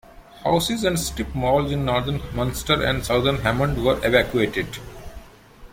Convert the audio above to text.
Houses and strip malls in northern Munster and southern Hammond were evacuated.